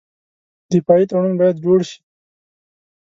دفاعي تړون باید جوړ شي.